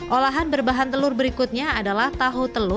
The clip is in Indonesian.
jika ingin mencoba tarif kirim atau toko